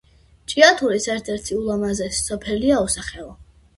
ჭიათურის ერთ-ერთი ულამაზესი სოფელია უსახელო